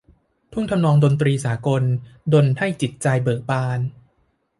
ท่วงทำนองดนตรีสากลดลให้จิตใจเบิกบาน